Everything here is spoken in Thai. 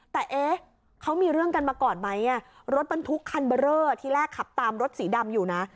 แต่เอ๊ะเขามีเรื่องกันมาก่อนไหมรถบรรทุกคันเบอร์เลอร์ที่แรกขับตามรถสีดำอยู่นะ